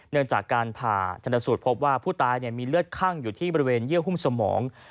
จากการผ่าชนสูตรพบว่าผู้ตายมีเลือดคั่งอยู่ที่บริเวณเยื่อหุ้มสมอง